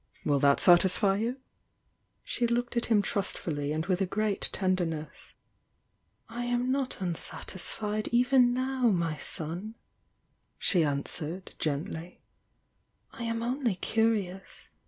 Will that satisfy you?" She looked . him trustfully and with a great tenderness. "^ "I am not unsatisfied even now, my son!" she answered, gently— "I am only curiovs!